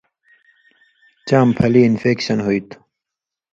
چام پھلی انفیکشن ہُوئ تُھو